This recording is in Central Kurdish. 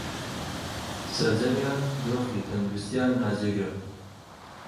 سەرجەمیان دۆخی تەندروستییان ناجێگرە